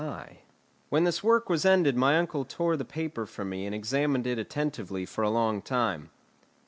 ] When this work was ended my uncle tore the paper from me and examined it attentively for a long time.